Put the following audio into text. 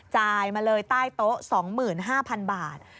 จ่ายมาเลยใต้โต๊ะ๒๕๐๐๐บาท